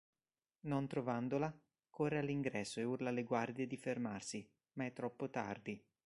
Non trovandola, corre all'ingresso e urla alle guardie di fermarsi, ma è troppo tardi.